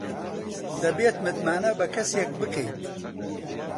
دەبێت متمانە بە کەسێک بکەیت.